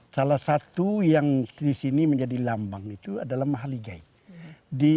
salah satu yang di sini menjadi lambang itu adalah mahligai